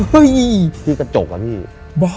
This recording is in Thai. เฮ้ยพี่กระจกอ่ะพี่บ้า